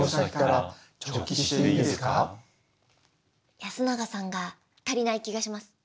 やすながさんが足りない気がします。